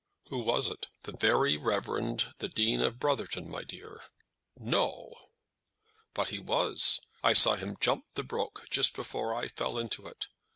"Who was it?" "The very Reverend the Dean of Brotherton, my dear." "No!" "But he was. I saw him jump the brook just before I fell into it.